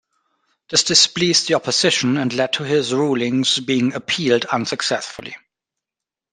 This displeased the Opposition and led to his rulings being appealed unsuccessfully.